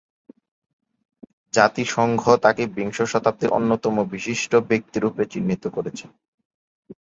জাতিসংঘ তাকে বিংশ শতাব্দীর অন্যতম বিশিষ্ট ব্যক্তি রূপে চিহ্নিত করেছে।